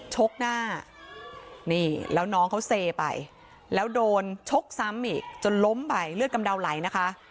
ชกหน้านี่แล้วน้องเขาเซไปแล้วโดนชกซ้ำอีกจนล้มไปเลือดกำเดาไหลนะคะ